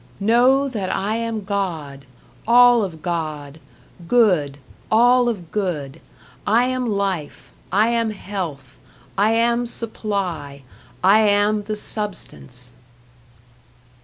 "Know that I am God all of God, Good, all of Good. I am Life. I am Health. I am Supply. I am the Substance."